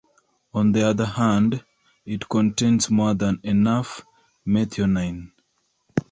On the other hand, it contains more than enough methionine.